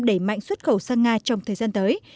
đẩy mạnh xuất khẩu sang nga trong thời gian tới